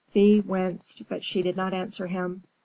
Thea winced, but she did not answer him.